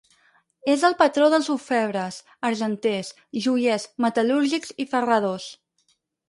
És el patró dels orfebres, argenters, joiers, metal·lúrgics i ferradors.